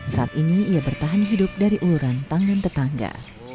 saat ini ia bertahan hidup dari uluran tangan tetangga